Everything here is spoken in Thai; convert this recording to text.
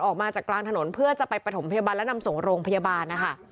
ออกมาจากกลางถนนเพื่อจะไปประถมพยาบาลและนำส่งโรงพยาบาลนะคะ